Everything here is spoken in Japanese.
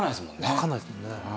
わかんないですもんね。